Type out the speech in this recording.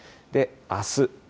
あす。